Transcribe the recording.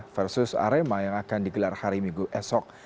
versus arema yang akan digelar hari minggu esok